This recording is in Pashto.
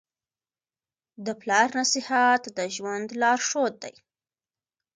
د پلار نصیحت د ژوند لارښود دی.